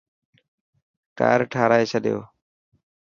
ٽائر ٺارائي ڇڏيو؟